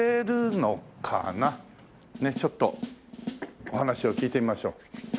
ねえちょっとお話を聞いてみましょう。